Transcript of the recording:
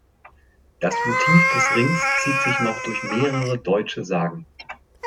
Das Motiv des Rings zieht sich noch durch mehrere deutsche Sagen.